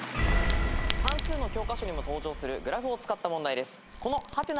算数の教科書にも登場するグラフを使った問題です。